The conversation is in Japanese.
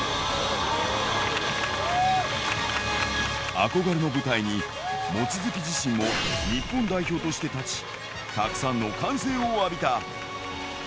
憧れの舞台に、望月自身も日本代表として立ち、たくさんの歓声を浴びた。